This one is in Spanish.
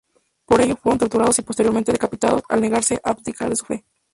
Por ello, fueron torturados y posteriormente decapitados, al negarse a abdicar de su fe.